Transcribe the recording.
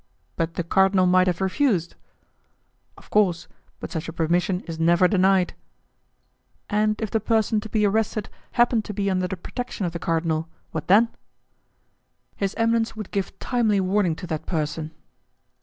"But the cardinal might have refused?" "Of course; but such a permission is never denied." "And if the person to be arrested happened to be under the protection of the cardinal what then?" "His eminence would give timely warning to that person."